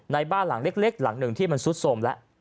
บ้านหลังเล็กหลังหนึ่งที่มันซุดโทรมแล้ว